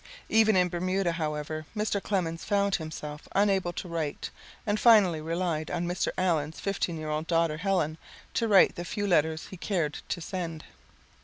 Even in Bermuda, however, Mr. Clemens found himself unable to write and finally relied on Mr. Allen's fifteen year old daughter, Helen, to write the few letters he cared to send.